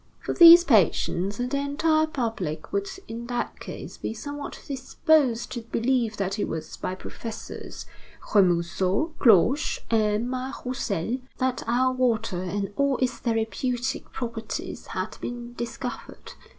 For these patients and the entire public would in that case be somewhat disposed to believe that it was by Professors Remusot, Cloche, and Mas Roussel that our water and all its therapeutic properties had been discovered.